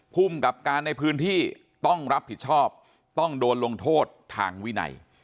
ภูมิกับการในพื้นที่ต้องรับผิดชอบต้องโดนลงโทษทางวินัย